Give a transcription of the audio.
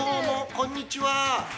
こんにちは。